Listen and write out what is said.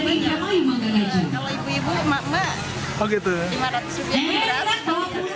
kalau ibu ibu mak mak rp lima ratus